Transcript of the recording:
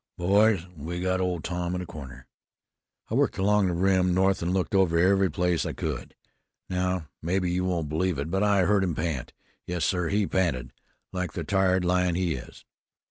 "Boys, we've got Old Tom in a corner. I worked along the rim north and looked over every place I could. Now, maybe you won't believe it, but I heard him pant. Yes, sir, he panted like the tired lion he is.